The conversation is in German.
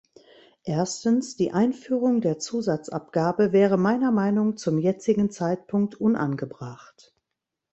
Erstens, die Einführung der Zusatzabgabe wäre meiner Meinung zum jetzigen Zeitpunkt unangebracht.